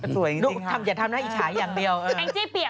สวยจริงค่ะโดยอย่าทำหน้าอิฉายอย่างเดียวเฮ้ย